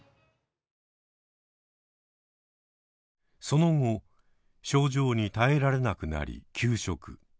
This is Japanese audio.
その後症状に耐えられなくなり休職。